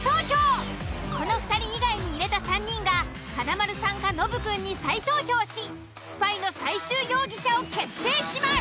この２人以外に入れた３人が華丸さんかノブくんに再投票しスパイの最終容疑者を決定します。